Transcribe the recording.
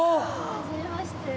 はじめまして。